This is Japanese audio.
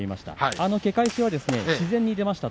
あのけ返しは自然に出ました。